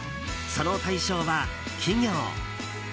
その対象は、企業。